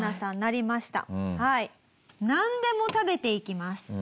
なんでも食べていきます。